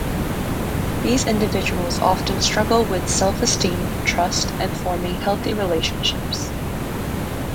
These individuals often struggle with self-esteem, trust, and forming healthy relationships.